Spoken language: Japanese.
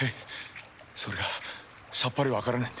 それがさっぱり分からねぇんで。